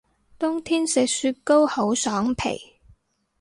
冬天食雪糕好爽皮